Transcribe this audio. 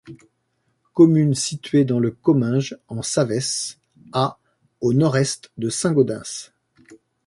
Commune située dans le Comminges, en Savès, à au nord-est de Saint-Gaudens.